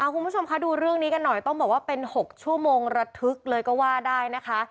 คุณผู้ชมคะดูเรื่องนี้กันหน่อยต้องบอกว่าเป็น๖ชั่วโมงระทึกเลยก็ว่าได้นะคะ